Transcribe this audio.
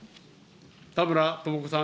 田村智子さん。